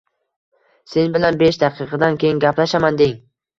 Sen bilan besh daqiqadan keyin gaplashaman” deng.